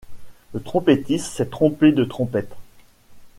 Le trompetiste s'est trompé de trompette.